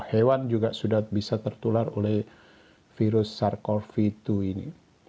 hewan juga sudah bisa tertular oleh virus sars cov dua ini